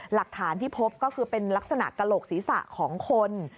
หลักฐานที่พบก็คือเป็นลักษณะกระโหลกศีรษะของคน